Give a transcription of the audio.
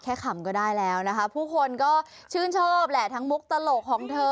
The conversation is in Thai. ขำก็ได้แล้วนะคะผู้คนก็ชื่นชอบแหละทั้งมุกตลกของเธอ